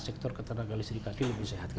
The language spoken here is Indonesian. sektor keteragakal istri kaki lebih sehat